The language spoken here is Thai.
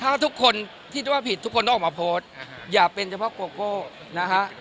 ถ้าทุกคนคิดว่าผิดทุกคนต้องออกมาโพสต์อย่าเป็นเฉพาะโกโก้นะฮะ